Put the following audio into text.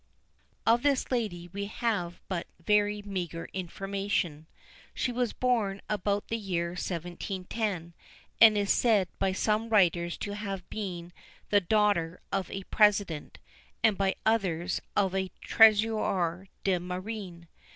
Of this lady we have but very meagre information. She was born about the year 1710, and is said by some writers to have been the daughter of a President; and by others, of a "Trésorier de Marine."